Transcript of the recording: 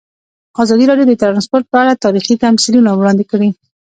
ازادي راډیو د ترانسپورټ په اړه تاریخي تمثیلونه وړاندې کړي.